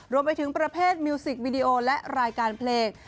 รวมไปถึงประเภทมิวสิกวิดีโอและรายการเพลง